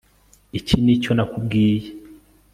iki nicyo nakubwiye